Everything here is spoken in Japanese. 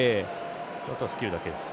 あとはスキルだけです。